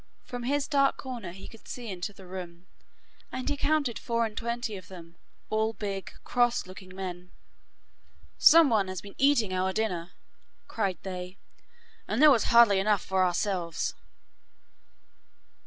From his dark corner he could see into the room, and he counted four and twenty of them, all big, cross looking men. 'Some one has been eating our dinner,' cried they, 'and there was hardly enough for ourselves.